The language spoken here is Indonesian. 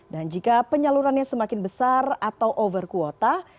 dan jika penyalurannya semakin besar atau over kuota